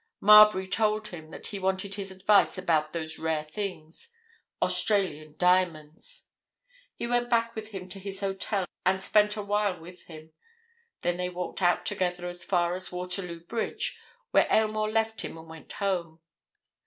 Marbury told him that he wanted his advice about those rare things, Australian diamonds. He went back with him to his hotel and spent a while with him; then they walked out together as far as Waterloo Bridge, where Aylmore left him and went home.